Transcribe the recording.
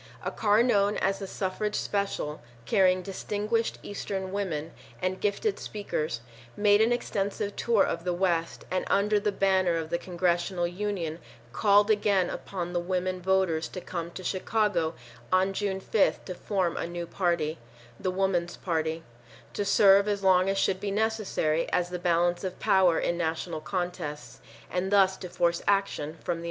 A car known as the "Suffrage Special," carrying distinguished Eastern women and gifted speakers, made an extensive tour of the West and under the banner of the Congressional Union called again upon the women voters to come to Chicago on June 5th to form a new party,—The Woman's Party—to serve as long as should be necessary as the balance of power in national contests, and thus to force action from the old parties.